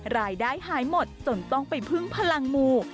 รายได้หายหมดจนต้องไปพึ่งพลังมู